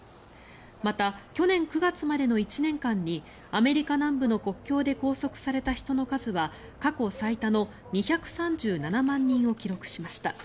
また、去年９月までの１年間にアメリカ南部の国境で拘束された人の数は過去最多の２３７万人を記録しました。